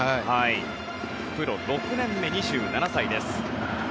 プロ６年目、２７歳です。